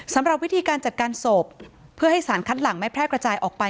สำหรับวิธีการจัดการศพเพื่อให้สารคัดหลังไม่แพร่กระจายออกไป